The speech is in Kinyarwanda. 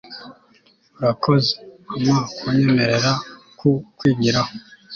urakoze, mama, kunyemerera kukwigiraho